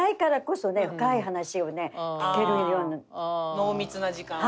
濃密な時間を。